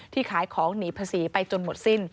ขายของหนีภาษีไปจนหมดสิ้น